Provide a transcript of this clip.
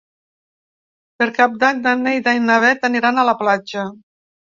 Per Cap d'Any na Neida i na Bet aniran a la platja.